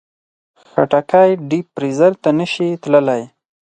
خټکی ډیپ فریزر ته نه شي تللی.